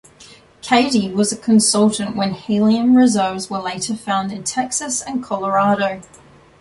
Cady was a consultant when helium reserves were later found in Texas and Colorado.